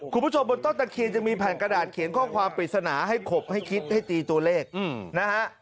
บนต้นตะเคียนจะมีแผ่นกระดาษเขียนข้อความปริศนาให้ขบให้คิดให้ตีตัวเลขนะฮะ